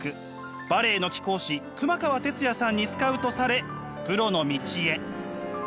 バレエの貴公子熊川哲也さんにスカウトされプロの道へ。